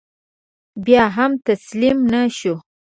بیا هم تسلیم نه شو.